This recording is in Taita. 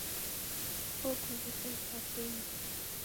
Okuvisa isakenyi.